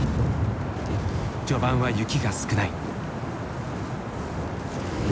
序盤は雪が少ない。